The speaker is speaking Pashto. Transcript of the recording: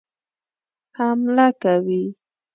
حمله کوي.